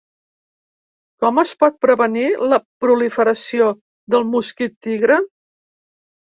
Com es pot prevenir la proliferació del mosquit tigre?